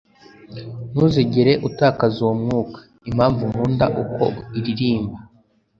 ntuzigere utakaza uwo mwuka 'impamvu nkunda uko iririmba